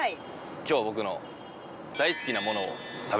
今日僕の。